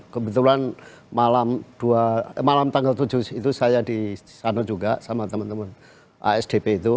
kebetulan malam tanggal tujuh itu saya di sana juga sama teman teman asdp itu